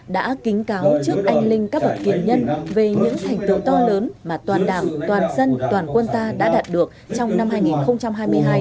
đã kính cáo trước anh linh các bậc tiền nhân về những thành tựu to lớn mà toàn đảng toàn dân toàn quân ta đã đạt được trong năm hai nghìn hai mươi hai